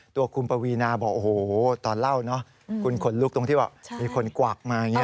ตัวคุณปวีนาบอกโอ้โหตอนเล่าเนอะคุณขนลุกตรงที่ว่ามีคนกวักมาอย่างนี้